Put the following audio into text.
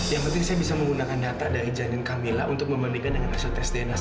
yang penting saya bisa menggunakan data dari janin camilla untuk membandingkan dengan hasil tes dna